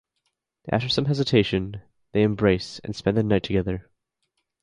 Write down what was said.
After some hesitation, they embrace and spend the night together.